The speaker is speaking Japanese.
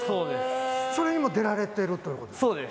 それにも出られてるとそうです